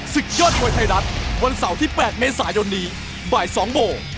ศึกยอดมวยไทยรัฐวันเสาร์ที่๘เมษายนนี้บ่าย๒โมง